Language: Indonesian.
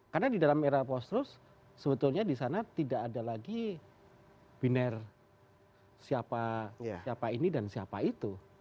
karena di dalam era post truth sebetulnya disana tidak ada lagi binar siapa ini dan siapa itu